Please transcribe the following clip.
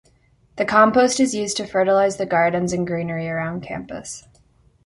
The compost is used to fertilize the gardens and greenery around campus.